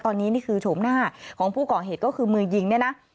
ตอนนี้นี่คือโฉมหน้าของผู้ก่อเหตุก็คือมือยิงเนี่ยนะ